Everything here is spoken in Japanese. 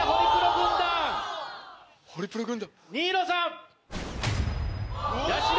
新納さん。